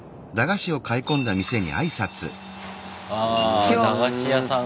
ああ駄菓子屋さん